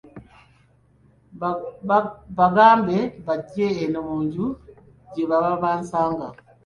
Bagambe bajje eno mu nju gye baba bansanga.